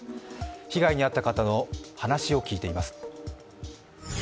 被害に遭った方の話を聞いています。